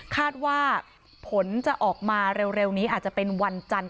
คาดว่าผลจะออกมาเร็วนี้อาจจะเป็นวันจันทร์